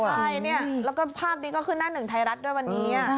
ใช่เนี่ยแล้วก็ภาพนี้ก็ขึ้นหน้าหนึ่งไทยรัฐด้วยวันนี้